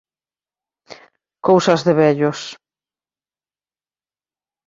Cousas de vellos.